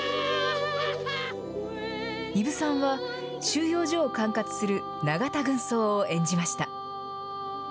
伊武さんは、収容所を管轄するナガタ軍曹を演じました。